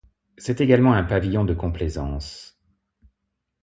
C'est également un pavillon de complaisance.